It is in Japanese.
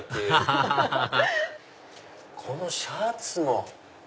ハハハハこのシャツも。